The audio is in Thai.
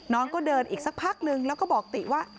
น้องก็เดินอีกสักพักนึงแล้วก็บอกติว่า